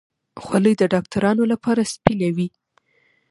خولۍ د ډاکترانو لپاره سپینه وي.